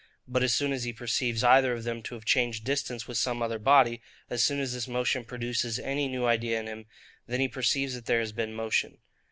But as soon as he perceives either of them to have changed distance with some other body, as soon as this motion produces any new idea in him, then he perceives that there has been motion.